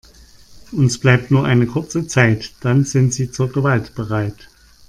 Uns bleibt nur eine kurze Zeit, dann sind sie zur Gewalt bereit.